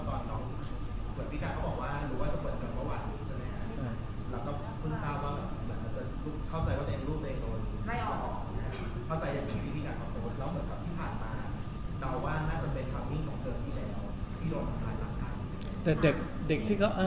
ที่รักษาว่าน่าจะเป็นลังค์ของเจอที่เราก็มาหลาการ